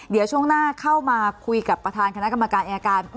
เดี๋ยวช่วงหน้าเข้ามาคุยกับประธานคณะกรรมการอายการ